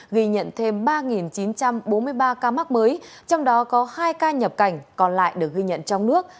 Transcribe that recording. ghi nhận thêm ba chín trăm bốn mươi ba ca mắc mới trong đó có hai ca nhập cảnh còn lại được ghi nhận trong nước